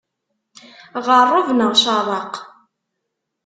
Ɣeṛṛeb, neɣ ceṛṛeq!